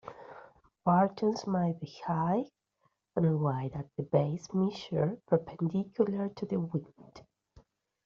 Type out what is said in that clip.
Barchans may be high and wide at the base measured perpendicular to the wind.